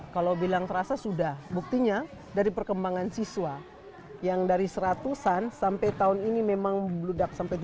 kalau bilang terasa sudah buktinya dari perkembangan siswa yang dari seratusan sampai tahun ini memang bludak sampai tujuh puluh